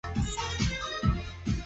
Mẹ em liền động viên